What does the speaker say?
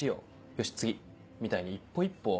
よし次みたいに一歩一歩。